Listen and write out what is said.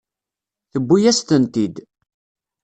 Tewwi-yas-tent-id.